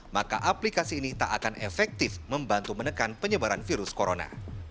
maka aplikasi ini tak akan efektif membantu menekan penyebaran virus corona